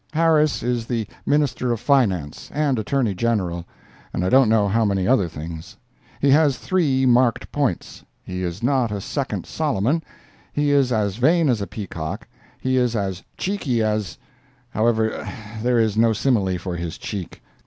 Harris is the Minister of Finance and Attorney General, and I don't know how many other things. He has three marked points: He is not a second Solomon—he is as vain as a peacock; he is as "cheeky" as—however, there is no simile for his "cheek."